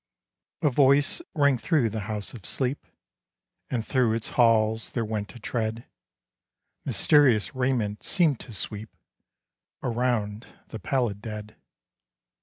A voice rang through the House of Sleep, And through its halls there went a tread; Mysterious raiment seemed to sweep Around the pallid dead.